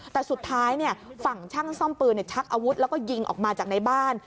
แต่สุดท้ายฝั่งช่างซ่อมปืนชักอาวุธแล้วก็ยิงออกมาจากในบ้าน